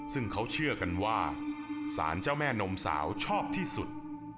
ซึ่งเขาเชื่อกันว่าสารเจ้าแม่นมสาวชอบที่สุด